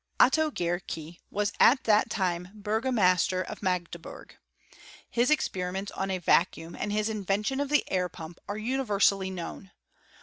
Otto Guericke was at that time burgomaster of Magdeburg. His experiments on a vacuum, and his invention of the air pump, are universally known.